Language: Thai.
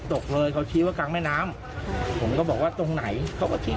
เหมือนก็ว่าเขาจะเอาเรืออะไรอย่างนี้